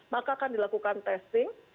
maka akan dilakukan testing